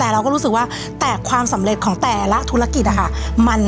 แต่เราก็รู้สึกว่าแต่ความสำเร็จของแต่ละธุรกิจนะคะ